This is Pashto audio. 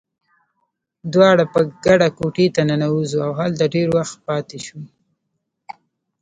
دواړه په ګډه کوټې ته ننوزو، او هلته ډېر وخت پاتې شو.